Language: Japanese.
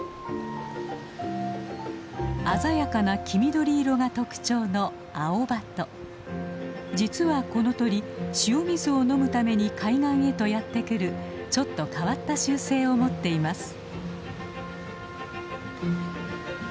鮮やかな黄緑色が特徴の実はこの鳥塩水を飲むために海岸へとやって来るちょっと変わった習性を持っています。